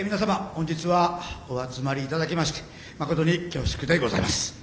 本日はお集まり頂きましてまことに恐縮でございます。